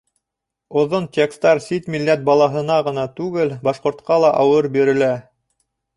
Оҙон текстар сит милләт балаһына ғына түгел, башҡортҡа ла ауыр бирелә.